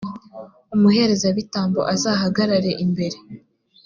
umuherezabitambo azahagarare imbere,